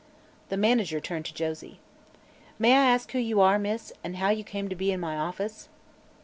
The manager turned to Josie. "May I ask who you are, Miss, and how you came to be in my office?"